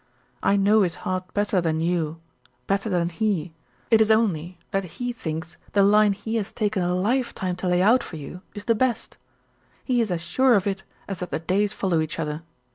I know his heart better than you better than he. It is only that he thinks the line he has taken a lifetime to lay out for you is the best. He is as sure of it as that the days follow each other.